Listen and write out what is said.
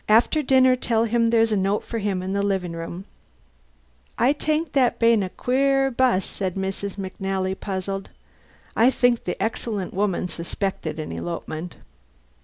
After dinner tell him there's a note for him in the living room." "I tank that bane a queer 'bus," said Mrs. McNally, puzzled. I think the excellent woman suspected an elopement.